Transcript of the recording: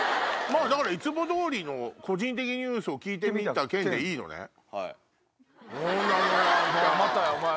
まあ、だから、いつもどおりの、個人的ニュースを聞いてみた件でいいのね。